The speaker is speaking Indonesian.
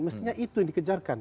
mestinya itu yang dikejarkan